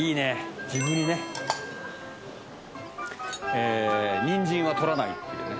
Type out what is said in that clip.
えーニンジンは取らないっていうね。